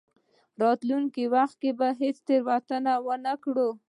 راتلونکي وخت کې به هېڅکله تېروتنه ونه کړئ.